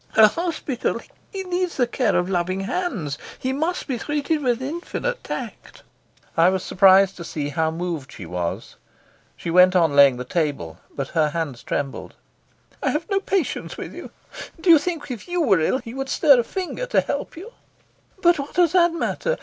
"A hospital! He needs the care of loving hands. He must be treated with infinite tact." I was surprised to see how moved she was. She went on laying the table, but her hands trembled. "I have no patience with you. Do you think if you were ill he would stir a finger to help you?" "But what does that matter?